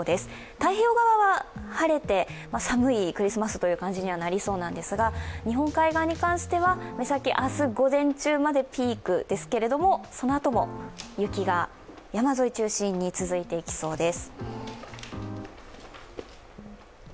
太平洋側は晴れて寒いクリスマスという感じにはなりそうですが日本海側に関しては目先、明日午前中までピークですけれども、そのあとも雪が山沿いを中心に続いていきそうです。